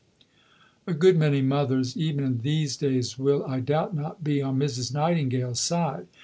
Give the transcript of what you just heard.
A good many mothers, even in these days, will, I doubt not, be on Mrs. Nightingale's side.